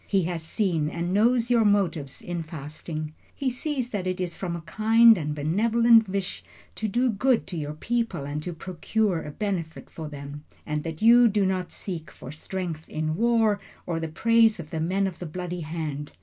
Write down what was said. He has seen and knows your motives in fasting. He sees that it is from a kind and benevolent wish to do good to your people and to procure a benefit for them; and that you do not seek for strength in war, or the praise of the men of the bloody hand.